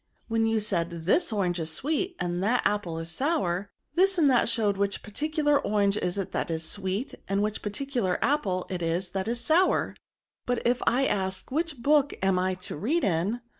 When you said this orange is sweet, and that apple is sour, this and that show which particular orange it is that is sweet, and which particular apple it is that is sour ; but if I ask which book I am to read in?